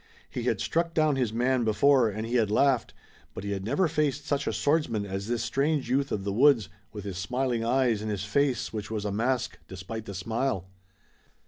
He had struck down his man before and he had laughed, but he had never faced such a swordsman as this strange youth of the woods, with his smiling eyes and his face which was a mask despite the smile.